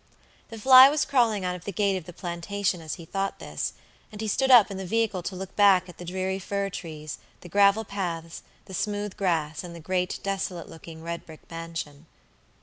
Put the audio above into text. The fly was crawling out of the gate of the plantation as he thought this, and he stood up in the vehicle to look back at the dreary fir trees, the gravel paths, the smooth grass, and the great desolate looking, red brick mansion.